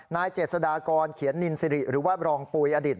นายเจษฎากรเขียนนินสิริหรือว่ารองปุ๋ยอดิต